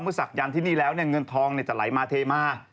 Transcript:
ศักยันต์ที่นี่แล้วเงินทองจะไหลมาเทมา